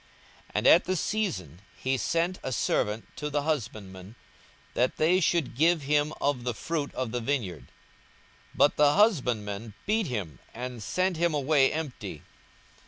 42:020:010 And at the season he sent a servant to the husbandmen, that they should give him of the fruit of the vineyard: but the husbandmen beat him, and sent him away empty.